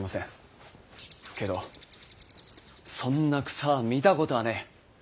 けどそんな草は見たこたあねぇ。